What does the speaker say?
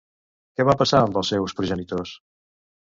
Què va passar amb els seus progenitors?